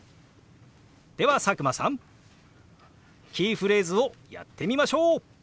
では佐久間さんキーフレーズをやってみましょう！